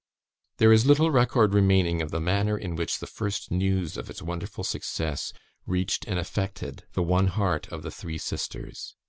There is little record remaining of the manner in which the first news of its wonderful success reached and affected the one heart of the three sisters.